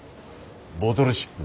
ボトルシップ。